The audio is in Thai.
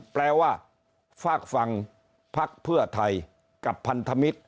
แปลว่าฝากฟังพักเพื่อไทยกับพันธมิตร